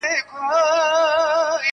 محتسب مي دي وهي په دُرو ارزي-